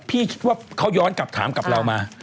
พี่คิดว่าเขาย้อนกลับถามกับเรามา